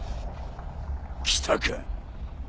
来たか。